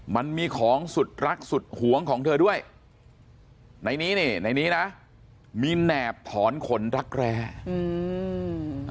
มันมีของสุดรักสุดหวงของเธอด้วยในนี้นี่ในนี้นะมีแหนบถอนขนรักแร้อืม